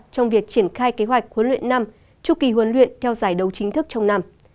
trong việc triển khai kế hoạch huấn luyện năm chu kỳ huấn luyện theo giải đấu chính thức trong năm